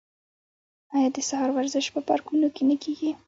آیا د سهار ورزش په پارکونو کې نه کیږي؟